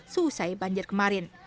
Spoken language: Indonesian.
selesai banjir kemarin